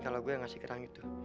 kalau gue yang ngasih kerang itu